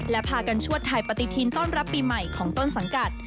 และพากันชวดไทยปฏิทินต้อนรับปีใหม่ของต้นสังกัด